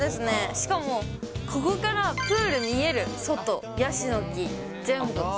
しかも、ここからプール見える、外、ヤシの木、全部。